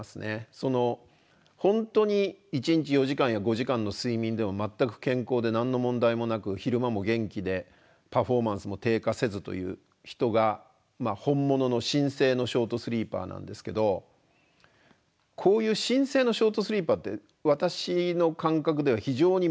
本当に一日４時間や５時間の睡眠でも全く健康で何の問題もなく昼間も元気でパフォーマンスも低下せずという人が本物の真性のショートスリーパーなんですけどこういう真性のショートスリーパーって私の感覚では非常にまれです。